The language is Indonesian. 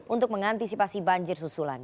untuk mengantisipasi banjir susulan